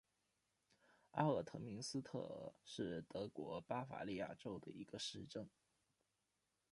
阿尔滕明斯特尔是德国巴伐利亚州的一个市镇。